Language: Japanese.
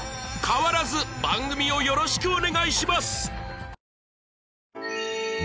変わらず番組をよろしくお願いします